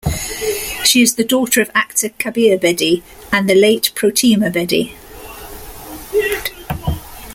She is the daughter of actor Kabir Bedi and the late Protima Bedi.